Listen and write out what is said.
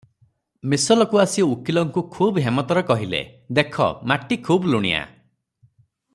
ମିସଲକୁ ଆସି ଉକୀଲଙ୍କୁ ଖୁବ୍ ହେମତରେ କହିଲେ, "ଦେଖ, ମାଟି ଖୁବ୍ ଲୁଣିଆ ।"